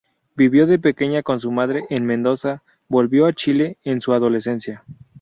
Vivió de pequeña con su madre en Mendoza; volvió a Chile en su adolescencia.